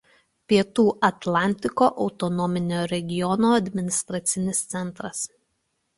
Pietų Atlantiko autonominio regiono administracinis centras.